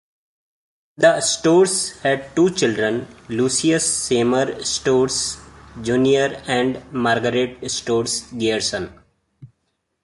The Storrs had two children, Lucius Seymour Storrs, Junior and Margaret Storrs Grierson.